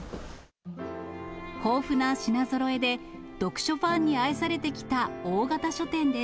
豊富な品ぞろえで読書ファンに愛されてきた大型書店です。